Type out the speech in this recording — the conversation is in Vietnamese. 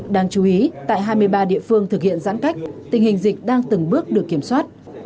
đáng chú ý tại hai mươi ba địa phương thực hiện giãn cách tình hình dịch đang từng bước được kiểm soát